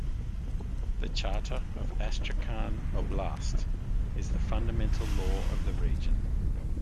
The Charter of Astrakhan Oblast is the fundamental law of the region.